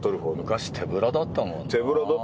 昔手ぶらだったもんな。